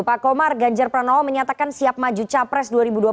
pak komar ganjar pranowo menyatakan siap maju capres dua ribu dua puluh